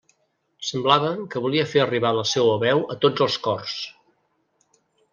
Semblava que volia fer arribar la seua veu a tots els cors.